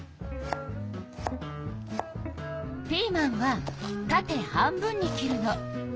ピーマンはたて半分に切るの。